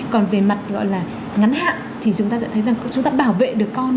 còn về mặt gọi là ngắn hạn thì chúng ta sẽ thấy rằng chúng ta bảo vệ được con